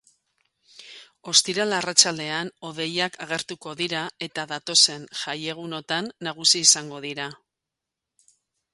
Ostiral arratsaldean hodeiak agertuko dira eta datozen jaiegunotan nagusi izango dira.